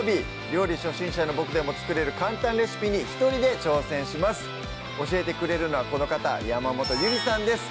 料理初心者のボクでも作れる簡単レシピに一人で挑戦します教えてくれるのはこの方山本ゆりさんです